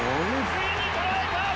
ついに捉えた！